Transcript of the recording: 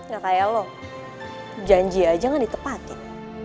gak kayak loh janji aja kan ditepatin